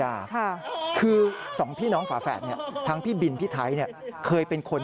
ขอบคุณพี่ไทยที่ขอบคุณพี่ไทยที่ขอบคุณพี่ไทย